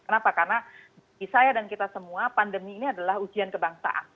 kenapa karena di saya dan kita semua pandemi ini adalah ujian kebangsaan